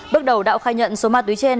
bước đầu đạo khai nhận số ma túy trên